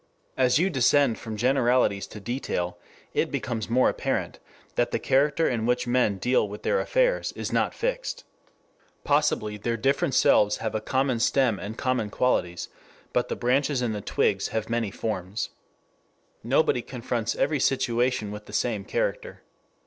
As you descend from generalities to detail, it becomes more apparent that the character in which men deal with their affairs is not fixed. Possibly their different selves have a common stem and common qualities, but the branches and the twigs have many forms. Nobody confronts every situation with the same character.